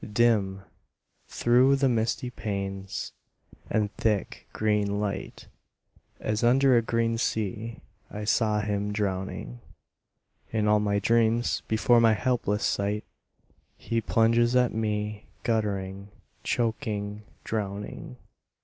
Dim through the misty panes and thick green light, As under a green sea, I saw him drowning. In all my dreams before my helpless sight He plunges at me, guttering, choking, drowning.